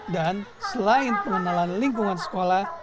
dan selain pengenalan lingkungan sekolah